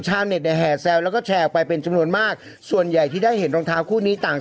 ชุดโกโกวังเขาขายดีโกโกวัง